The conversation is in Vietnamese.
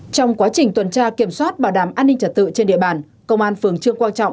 trong quá trình tuần tra kiểm soát bảo đảm an ninh trật tự trên địa bàn công an phường trương quang trọng